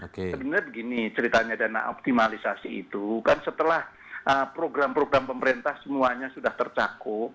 sebenarnya begini ceritanya dana optimalisasi itu kan setelah program program pemerintah semuanya sudah tercakup